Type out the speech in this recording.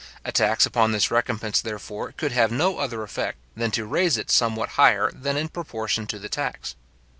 A tax upon this recompence, therefore, could have no other effect than to raise it somewhat higher than in proportion to the tax.